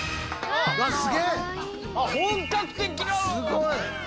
すごい！